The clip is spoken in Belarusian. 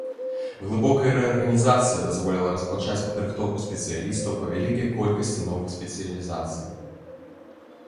Глыбокая рэарганізацыя дазволіла распачаць падрыхтоўку спецыялістаў па вялікай колькасці новых спецыялізацый.